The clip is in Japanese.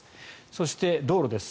そして、道路です。